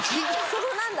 そうなんだ。